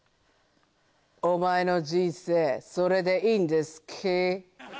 お前の人生それでいいんですけ？